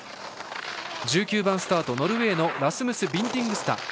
１９番スタート、ノルウェーのラスムス・ビンディングスタ。